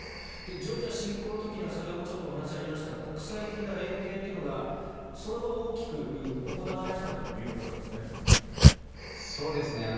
ジョージア侵攻の時には先ほどもお話がありました国際的な連携というのがそれほど大きく行われなかったということですね。